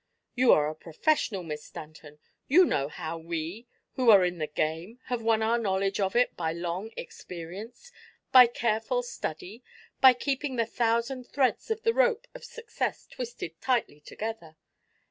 You are a professional, Miss Stanton. You know how we, who are in the game, have won our knowledge of it by long experience, by careful study, by keeping the thousand threads of the rope of success twisted tightly together.